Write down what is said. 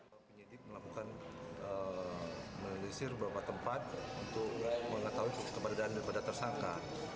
penyidik melakukan menelisir beberapa tempat untuk mengetahui kesukaan dugaan terhadap tersangka